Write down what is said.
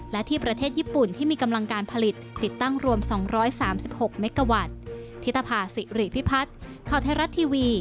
และที่ประเทศญี่ปุ่นที่มีกำลังการผลิตติดตั้งรวม๒๓๖เมกาวัตต์